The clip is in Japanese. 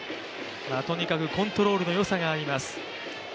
とにかくコントロールの良さがあります。